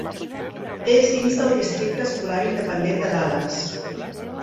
És dins del districte escolar independent de Dallas.